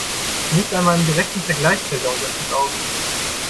Nicht einmal im direkten Vergleich fällt der Unterschied auf.